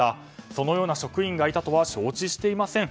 そのような職員がいたとは承知していません。